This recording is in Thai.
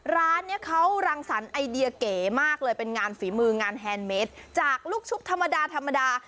ร้านนี้เขารังสรรค์ไอเดียเก๋มากเลยเป็นงานฝีมืองานแฮนดเมสจากลูกชุบธรรมดาธรรมดา